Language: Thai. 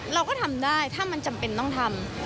เราก็ทำได้ถ้ามันจำเป็นต้องทำ